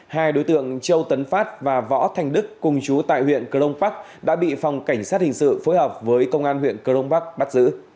hai đối tượng châu tấn phát và võ thành đức cùng chú tại huyện cờ đông bắc đã bị phòng cảnh sát hình sự phối hợp với công an huyện cờ đông bắc